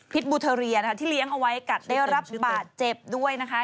บูเทอเรียนะคะที่เลี้ยงเอาไว้กัดได้รับบาดเจ็บด้วยนะคะ